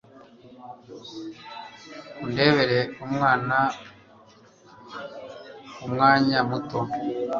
Undebere umwana kumwanya muto.